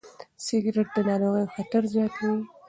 سګرېټ د ناروغیو خطر زیاتوي.